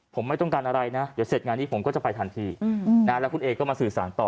ผมไม่ต้องการอะไรนะเดี๋ยวเสร็จงานนี้ผมก็จะไปทันทีแล้วคุณเอก็มาสื่อสารต่อ